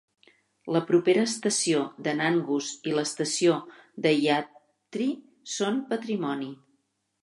La propera estació de Nangus i l'estació de Yabtree són patrimoni.